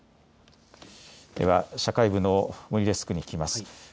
では社会部の森デスクに聞きます。